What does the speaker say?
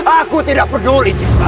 aku tidak peduli